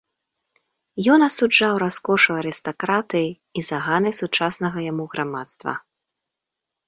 Ён асуджаў раскошу арыстакратыі і заганы сучаснага яму грамадства.